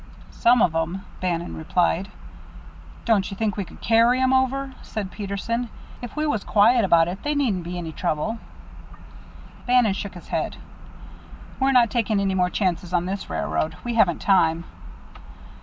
"Some of 'em," Bannon replied. "Don't you think we could carry 'em over?" said Peterson. "If we was quiet about it, they needn't be any trouble?" Bannon shook his head. "We're not taking any more chances on this railroad. We haven't time."